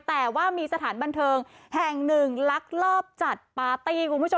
แต่ว่ามีสถานบันเทิงแห่ง๑ลากรอบจัดปาร์ตี้